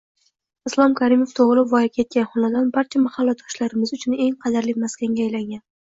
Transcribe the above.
Islom Karimov tug‘ilib, voyaga yetgan xonadon barcha mahalladoshlarimiz uchun eng qadrli maskanga aylangan